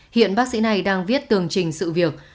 hiện bác sĩ này đang viết tường trình sự việc